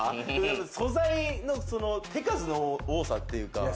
素材の手数の多さというか。